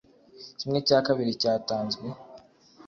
kimwe cya kabiri cyatanzwe